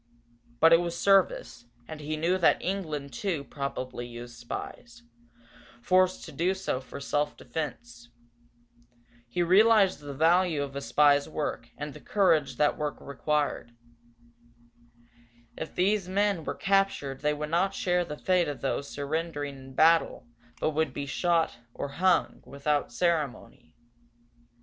But it was service, and he knew that England, too, probably used spies, forced to do so for self defence. He realized the value of the spy's work, and the courage that work required. If these men were captured they would not share the fate of those surrendering in battle but would be shot, or hung, without ceremony.